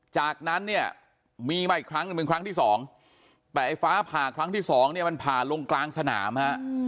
จากนั้นเนี่ยมีมาอีกครั้งหนึ่งเป็นครั้งที่สองแต่ไอ้ฟ้าผ่าครั้งที่สองเนี่ยมันผ่าลงกลางสนามฮะ